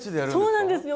そうなんですよ。